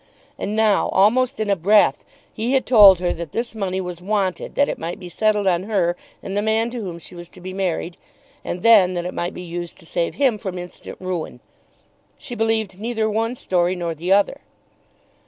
And now, almost in a breath, he had told her that this money was wanted that it might be settled on her and the man to whom she was to be married, and then that it might be used to save him from instant ruin. She believed neither one story nor the other.